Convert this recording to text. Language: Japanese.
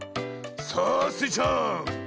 さあスイちゃん。